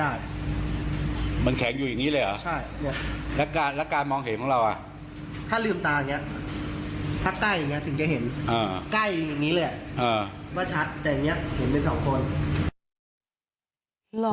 ใกล้อย่างนี้เลยว่าชัดแต่อย่างนี้เห็นเป็นสองคน